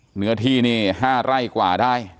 เหนือที่นี่๕ไร่กว่าได้